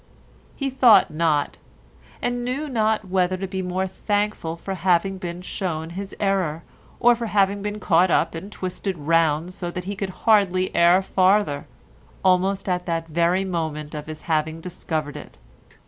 He thought not, and knew not whether to be more thankful for having been shown his error or for having been caught up and twisted round so that he could hardly err farther, almost at the very moment of his having discovered it.